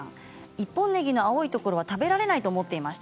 １本ねぎの青いところは食べられないと思ってました。